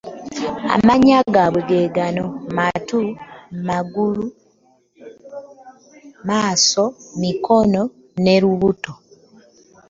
Amannya gaabwe ge gano: Matu, Magulu, Maaso, Mikono ne Lubuto.